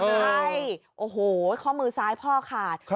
ใช่โอ้โหข้อมือซ้ายพ่อขาด